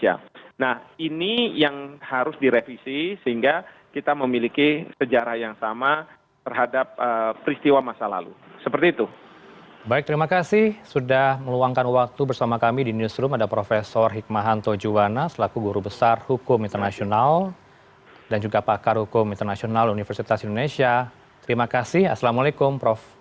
hal yang kedua menurut saya sebagai negara yang sudah lama bersahabat kita tidak perlu memperpanjang masalah ini ke ranah hukum